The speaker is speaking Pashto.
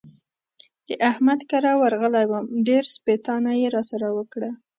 د احمد کره ورغلی وم؛ ډېره سپېتانه يې را سره وکړه.